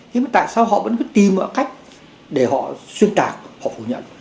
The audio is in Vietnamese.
nhưng mà tại sao họ vẫn cứ tìm mọi cách để họ xuyên tạc họ phủ nhận